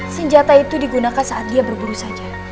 senjata itu digunakan saat dia berburu saja